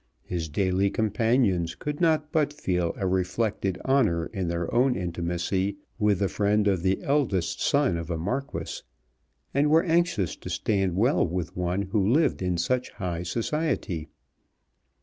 His daily companions could not but feel a reflected honour in their own intimacy with the friend of the eldest son of a Marquis, and were anxious to stand well with one who lived in such high society.